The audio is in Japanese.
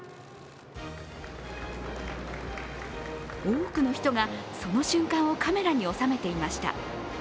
多くの人が、その瞬間をカメラに収めていました。